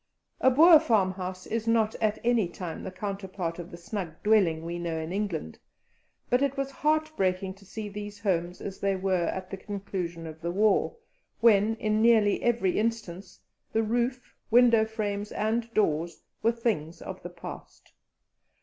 A Boer farmhouse is not at any time the counterpart of the snug dwelling we know in England, but it was heartbreaking to see these homes as they were at the conclusion of the war, when, in nearly every instance, the roof, window frames, and doors, were things of the past.